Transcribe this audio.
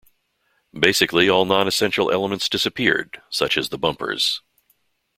Basically all non-essential elements disappeared, such as the bumpers.